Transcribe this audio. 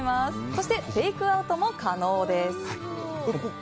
そしてテイクアウトも可能です。